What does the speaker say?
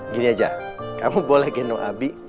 gini aja kamu boleh gendong abi